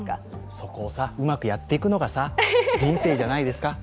そこをさうまくやっていくのがさ、人生じゃないですか？